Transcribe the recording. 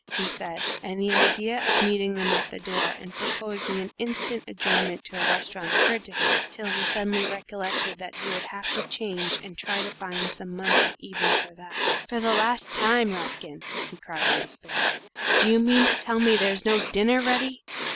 he said, and the idea of meeting them at the door and proposing an instant adjournment to a restaurant occurred to him till he suddenly recollected that he would have to change and try to find some money, even for that. "For the last time, Rapkin," he cried in despair, "do you mean to tell me there's no dinner ready?"